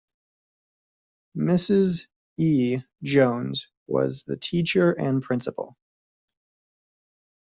Mrs. E. Jones was the teacher and principal.